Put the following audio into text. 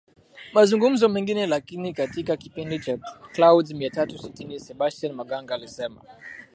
mazungumzo mengine Lakini katika kipindi cha Clouds mia tatu sitini Sebastian Maganga alisema